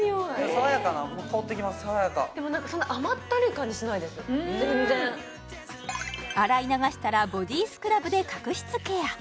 爽やか全然洗い流したらボディスクラブで角質ケア